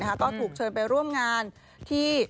ก็ถูกเชิญไปร่วมงานที่